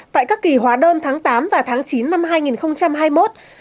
tại các kỳ hóa đơn tháng tám và tháng chín năm hai nghìn hai mươi một